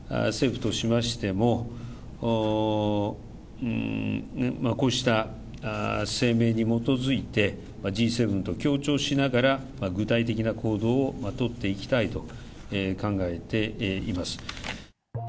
政府としましても、こうした声明に基づいて、Ｇ７と強調しながら、具体的な行動を取っていきたいと考えています。